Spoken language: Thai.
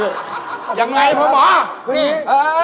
แม่หน้าของพ่อหน้าของพ่อหน้า